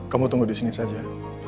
kamu tunggu disini saja